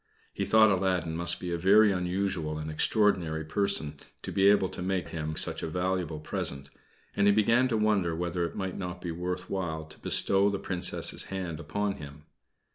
He thought Aladdin must be a very unusual and extraordinary person to be able to make him such a valuable present, and he began to wonder whether it might not be worth while to bestow the Princess's hand upon him.